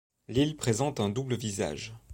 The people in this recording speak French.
L'île présente un double visage.